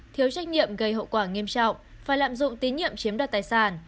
thiếu trách nhiệm gây hậu quả nghiêm trọng và lạm dụng tín nhiệm chiếm đoạt tài sản